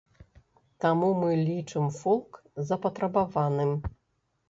Таму мы лічым фолк запатрабаваным.